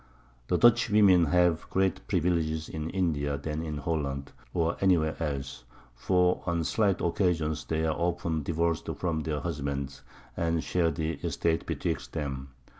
The Dutch Women have greater Privileges in India than in Holland, or any where else; for on slight Occasions they are often divorc'd from their Husbands, and share the Estate betwixt them.